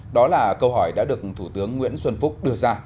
đó là câu hỏi đã được thủ tướng nguyễn xuân phúc đưa ra